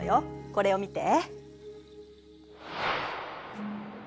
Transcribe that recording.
これを見て。